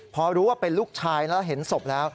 พอรู้ว่าเป็นลูกชายแล้วเห็นศพแล้ว